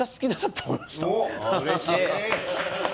うれしい！